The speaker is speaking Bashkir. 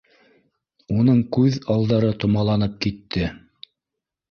Уның күҙ алдары томаланып китте